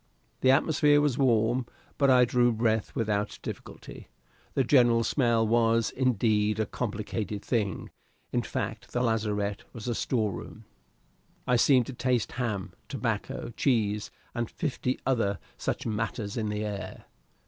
The atmosphere was warm, but I drew breath without difficulty. The general smell was, indeed, a complicated thing; in fact, the lazarette was a storeroom. I seemed to taste ham, tobacco, cheese, and fifty other such matters in the air.